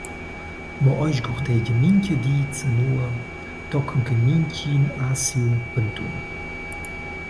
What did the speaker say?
Mo ei sgurtegia mintga di zanua, tochen che mintgin ha siu pantun.